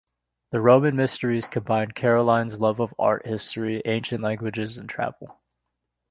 "The Roman Mysteries" combine Caroline's love of art history, ancient languages and travel.